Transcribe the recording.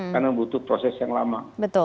karena butuh proses yang lama